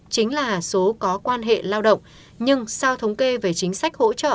chính là số có quan hệ lao động nhưng sau thống kê về chính sách hỗ trợ